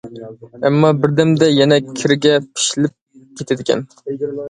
ئەمما بىردەمدە يەنە كىرگە پىشىلىپ كېتىدىكەن.